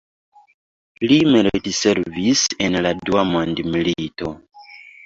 Li militservis en la Dua Mondmilito.